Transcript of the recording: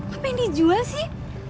apa yang dijual sih